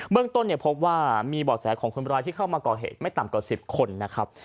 เรื่องต้นพบว่ามีบ่อแสของคนร้ายที่เข้ามาก่อเหตุไม่ต่ำกว่า๑๐คนนะครับ